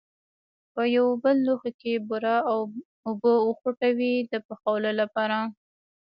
په یو بل لوښي کې بوره او اوبه وخوټوئ د پخولو لپاره.